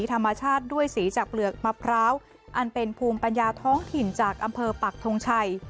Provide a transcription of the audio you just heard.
ธรรมชาติด้วยสีจากเปลือกมะพร้าวอันเป็นภูมิปัญญาท้องถิ่นจากอำเภอปักทงชัย